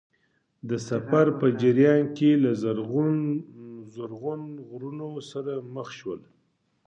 د سفر په جریان کې له زرغون غرونو سره مخ شول.